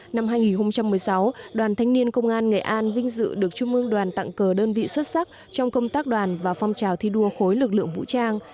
năm hai nghìn một mươi sáu đoàn thanh niên công an nghệ an vinh dự được trung ương đoàn tặng cờ đơn vị xuất sắc trong công tác đoàn và phong trào thi đua khối lực lượng vũ trang